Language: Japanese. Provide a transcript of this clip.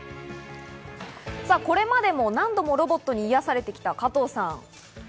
これまでも何度もロボットに癒されてきた加藤さん。